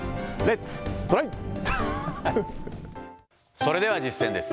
それでは実践です。